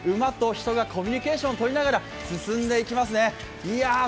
コミュニケーションをとりながら進んでいきますね。